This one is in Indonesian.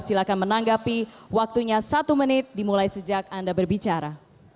silahkan menanggapi waktunya satu menit dimulai sejak anda berbicara